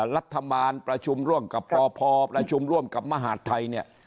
รัฐบาลประชุมร่วมกับปพประชุมร่วมกับมหาดไทยเนี่ย